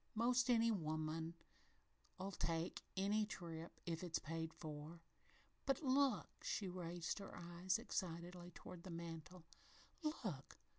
'Most any woman'll take any trip, if it's paid for But look!" she raised her eyes excitedly toward the mantel, "Look!